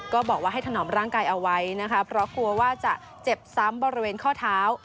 ก็บอกว่าให้ถนอมร่างกายเอาไว้นะคะเพราะกลัวว่าจะเจ็บซ้ำบริเวณข้อเท้า